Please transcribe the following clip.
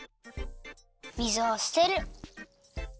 水をすてる。